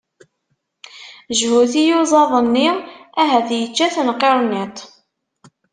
Jbut i iyuzaḍ-nni, ahat yečča-ten qirniṭ!